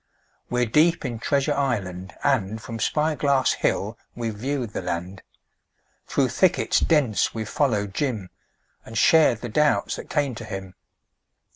We're deep in Treasure Island, and From Spy Glass Hill we've viewed the land; Through thickets dense we've followed Jim And shared the doubts that came to him.